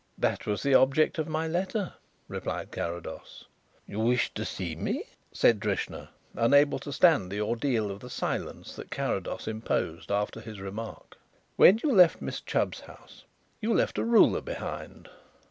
"That was the object of my letter," replied Carrados. "You wished to see me?" said Drishna, unable to stand the ordeal of the silence that Carrados imposed after his remark. "When you left Miss Chubb's house you left a ruler behind."